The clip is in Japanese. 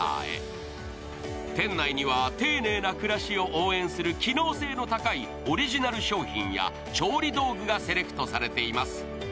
店内には丁寧な暮らしを応援する機能性の高いオリジナル商品や調理道具がセレクトされています。